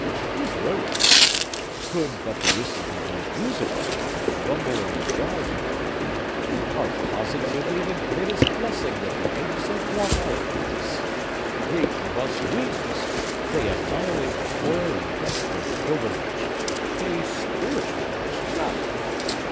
These railroads—could but the whistle be made musical, and the rumble and the jar got rid of—are positively the greatest blessing that the ages have wrought out for us. They give us wings; they annihilate the toil and dust of pilgrimage; they spiritualize travel!